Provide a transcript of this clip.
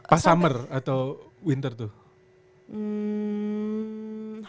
pas summer atau winter tuh